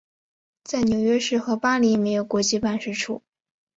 在纽约市和巴林设有国际办事处。